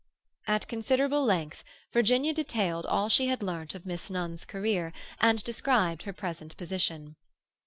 At considerable length Virginia detailed all she had learnt of Miss Nunn's career, and described her present position.